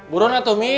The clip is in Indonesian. burun ya tuh mi